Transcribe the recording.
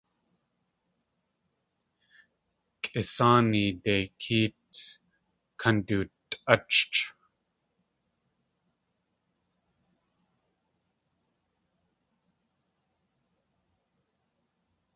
Kʼisáani deikéet kandutʼáchch.